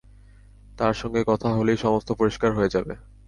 তাঁর সঙ্গে কথা হলেই সমস্ত পরিষ্কার হয়ে যাবে।